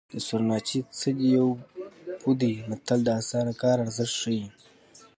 د سورناچي څه دي یو پو دی متل د اسانه کار ارزښت ښيي